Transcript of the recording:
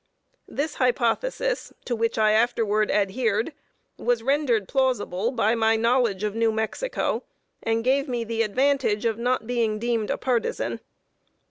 This hypothesis, to which I afterward adhered, was rendered plausible by my knowledge of New Mexico, and gave me the advantage of not being deemed a partisan.